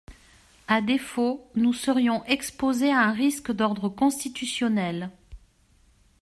À défaut, nous serions exposés à un risque d’ordre constitutionnel.